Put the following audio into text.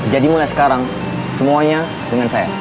jadi mulai sekarang semuanya dengan saya